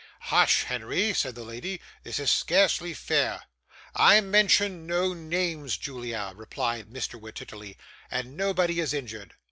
'Hush, Henry,' said the lady; 'this is scarcely fair.' 'I mention no names, Julia,' replied Mr. Wititterly; 'and nobody is injured.